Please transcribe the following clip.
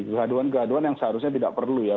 kegaduhan kegaduhan yang seharusnya tidak perlu ya